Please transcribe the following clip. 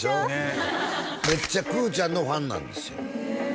めっちゃくぅちゃんのファンなんですよ